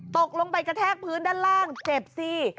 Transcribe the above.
ตกลงไปกระแทกพื้นด้านล่างเจ็บสิ